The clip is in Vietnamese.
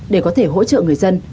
để có thể hỗ trợ người dân